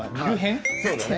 そうだね。